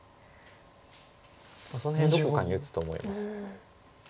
その辺どこかに打つと思います。